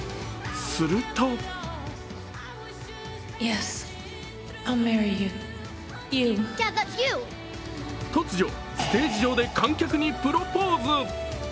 すると突如、ステージ上で観客にプロポーズ。